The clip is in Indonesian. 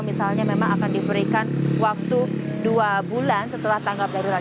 misalnya memang akan diberikan waktu dua bulan setelah tanggap darurat